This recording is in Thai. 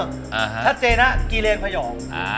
ชัดเจนนะกิเลนพยอง